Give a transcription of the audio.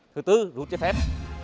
thứ tư rút chế phép